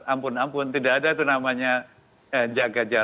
ampun ampun tidak ada itu namanya jaga jarak